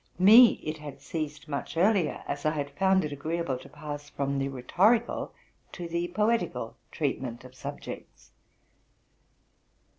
Me it had seized much earlier, as I had found it agreeable to pass from the rhetorical to the poetical treatment of subjects.